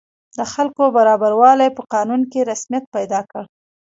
د خلکو برابروالی په قانون کې رسمیت پیدا کړ.